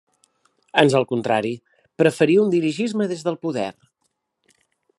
Ans al contrari, preferí un dirigisme des del poder.